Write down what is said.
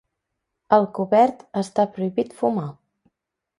Al cobert està prohibit fumar.